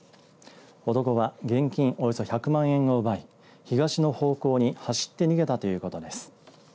男は現金およそ１００万円を奪い東の方向に走って逃げたということです。